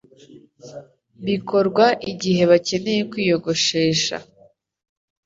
bikorwa igihe bakeneye kwiyogoshesha